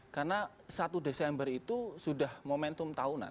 karena satu desember itu sudah momentum tahunan